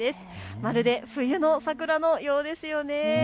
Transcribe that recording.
まるで冬の桜のようですよね。